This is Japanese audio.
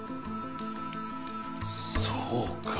そうか。